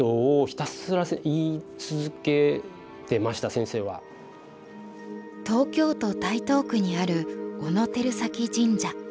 とにかく東京都台東区にある小野照崎神社。